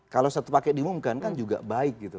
kalau satu paket diumumkan kan juga baik gitu